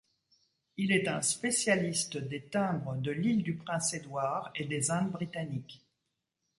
Il est un spécialiste des timbres de l'Île-du-Prince-Édouard et des Indes britanniques.